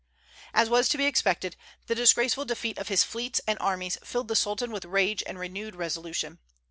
As was to be expected, the disgraceful defeat of his fleets and armies filled the Sultan with rage and renewed resolution.